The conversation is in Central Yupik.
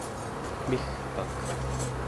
migpak